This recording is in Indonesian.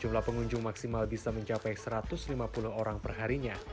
jumlah pengunjung maksimal bisa mencapai satu ratus lima puluh orang perharinya